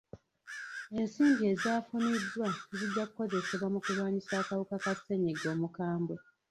Ensimbi ezaafuniddwa zijja kukozesebwa mu kulwanyisa akawuuka ka ssenyigga omukambwe.